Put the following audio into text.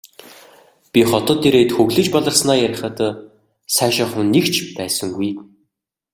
Би хотод ирээд хөглөж баларснаа ярихад сайшаах хүн нэг ч байсангүй.